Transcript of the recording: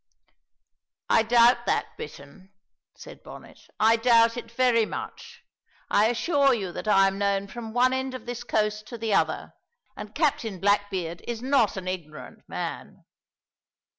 "I doubt that, Bittern," said Bonnet, "I doubt it very much. I assure you that I am known from one end of this coast to the other, and Captain Blackbeard is not an ignorant man.